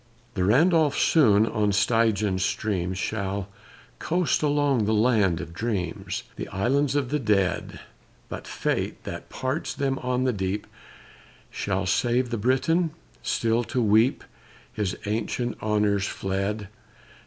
The Randolph soon on Stygian streams Shall coast along the land of dreams, The islands of the dead! But fate, that parts them on the deep, Shall save the Briton, still to weep His ancient honors fled.